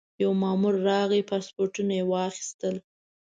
یو مامور راغی پاسپورټونه یې واخیستل.